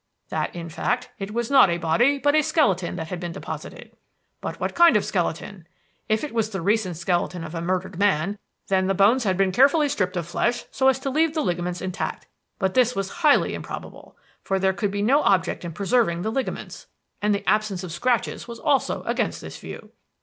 That, in fact, it was not a body, but a skeleton, that had been deposited. "But what kind of skeleton? If it was the recent skeleton of a murdered man, then the bones had been carefully stripped of flesh so as to leave the ligaments intact. But this was highly improbable; for there could be no object in preserving the ligaments. And the absence of scratches was against this view.